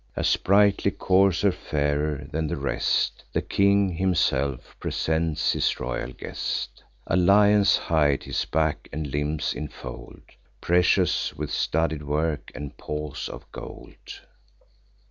A sprightly courser, fairer than the rest, The king himself presents his royal guest: A lion's hide his back and limbs infold, Precious with studded work, and paws of gold.